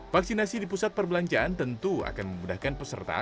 vaksinasi di pusat perbelanjaan tentu akan memudahkan peserta